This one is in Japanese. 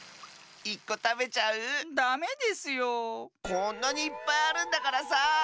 こんなにいっぱいあるんだからさ。